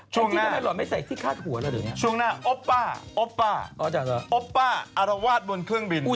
ช่วงหน้าช่วงหน้าโอปป้าโอปป้าโอปป้าอรวาสบนเครื่องบิน